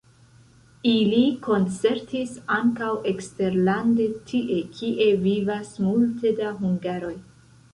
Ili koncertis ankaŭ eksterlande tie, kie vivas multe da hungaroj.